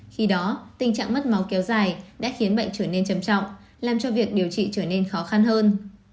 khi đó tình trạng mất máu kéo dài đã khiến bệnh trở nên trầm trọng làm cho việc điều trị trở nên khó khăn hơn